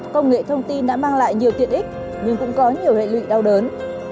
công nghệ thông tin đã mang lại nhiều tiện ích nhưng cũng có nhiều hệ lụy đau đớn